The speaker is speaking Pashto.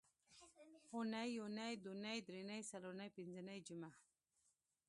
اونۍ یونۍ دونۍ درېنۍ څلورنۍ پینځنۍ جمعه